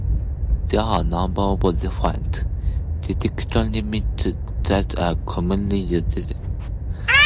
There are a number of different "detection limits" that are commonly used.